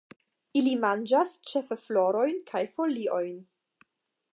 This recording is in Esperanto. Ili manĝas ĉefe florojn kaj foliojn.